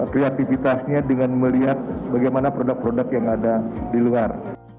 kreativitasnya dengan melihat bagaimana produk produk yang ada di luar